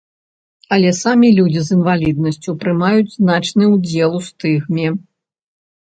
Але самі людзі з інваліднасцю прымаюць значны ўдзел у стыгме.